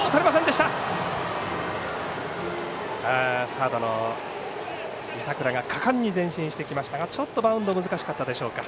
サードの板倉が果敢に前進してきましたがちょっとバウンド難しかったでしょうか。